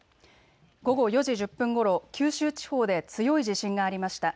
午後４時１０分ごろ、九州地方で強い地震がありました。